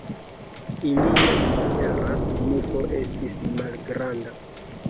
Ilia militara signifo estis malgranda.